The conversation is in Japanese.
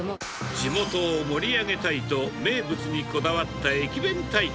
地元を盛り上げたいと、名物にこだわった駅弁大会。